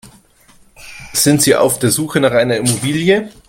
Sind Sie auf der Suche nach einer Immobilie?